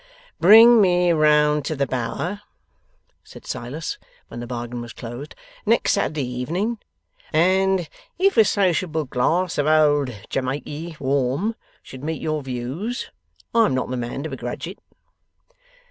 'Bring me round to the Bower,' said Silas, when the bargain was closed, 'next Saturday evening, and if a sociable glass of old Jamaikey warm should meet your views, I am not the man to begrudge it.